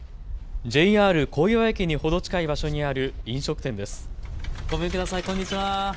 ＪＲ小岩駅にほど近い場所にある飲食店です。